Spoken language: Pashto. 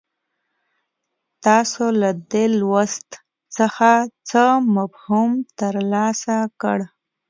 تاسو له دې لوست څخه څه مفهوم ترلاسه کړ.